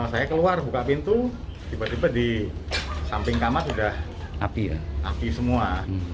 saya keluar buka pintu tiba tiba di samping kamar sudah api ya api semua